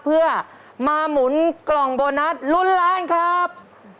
เพื่อมาหมุนกล่องโบนัสลุ้นล้านครับ